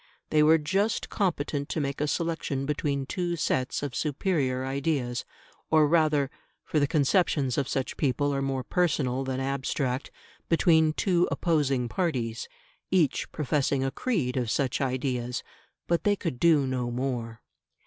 They were just competent to make a selection between two sets of superior ideas; or rather for the conceptions of such people are more personal than abstract between two opposing parties, each professing a creed of such ideas. But they could do no more.